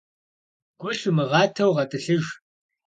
Гу лъумыгъатэу гъэтӏылъыж.